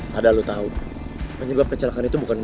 padahal lo tau penyebab kecelakaan itu bukan gue